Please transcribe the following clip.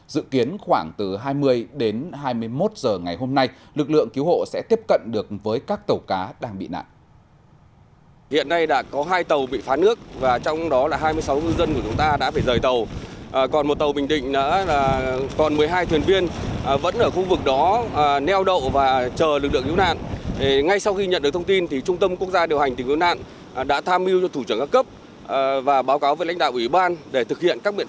dự kiến khoảng từ hai mươi đến hai mươi một giờ ngày hôm nay lực lượng cứu hộ sẽ tiếp cận được với các tàu cá đang bị nạn